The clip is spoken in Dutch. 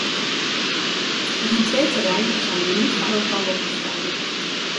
Die twee terreinen zijn niet van elkander te scheiden.